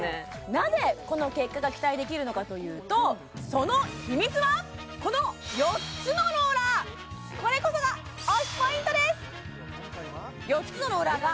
なぜこの結果が期待できるのかというとその秘密はこのこれこそが推しポイントです！